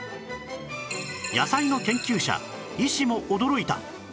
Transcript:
野菜の研究者医師も驚いた！